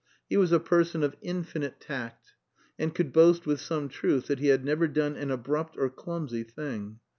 He was a person of infinite tact, and could boast with some truth that he had never done an abrupt or clumsy thing.